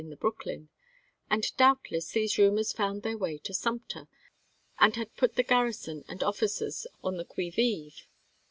the Brooklyn; and doubtless these rumors found their way to Sumter, and had put the garrison and officers on the qui vive.